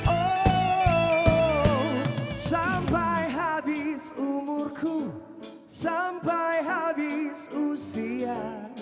oh sampai habis umurku sampai habis usia